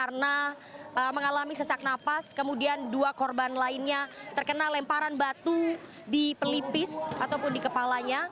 rekan kami masih menyampaikan